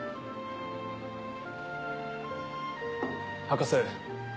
博士。